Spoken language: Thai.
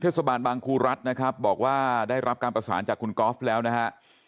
บางครูรัฐนะครับบอกว่าได้รับการประสานจากคุณกอล์ฟแล้วนะฮะ